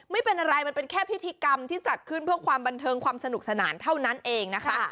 ไม่เป็นอะไรมันเป็นแค่พิธีกรรมที่จัดขึ้นเพื่อความบันเทิงความสนุกสนานเท่านั้นเองนะคะ